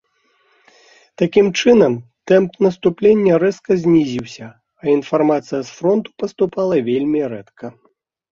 Такім чынам, тэмп наступлення рэзка знізіўся, а інфармацыя з фронту паступала вельмі рэдка.